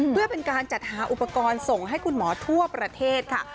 เพื่อเป็นการจัดหาอุปกรณ์ส่งให้คุณหมอทั่วประเทศค่ะ